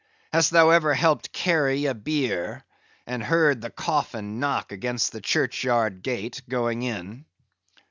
Hast thou ever helped carry a bier, and heard the coffin knock against the churchyard gate, going in?